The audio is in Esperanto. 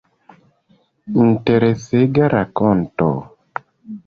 Interesega rakonto.